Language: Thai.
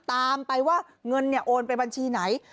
ตามไปว่าเงินเนี่ยโอนไปบัญชีไหน